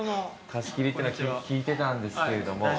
貸し切りっていうのは聞いてたんですけれども。